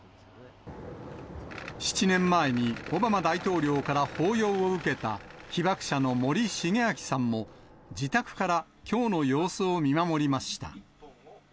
７年前にオバマ大統領から抱擁を受けた被爆者の森重昭さんも、自宅から、きょうの様子を見守りました。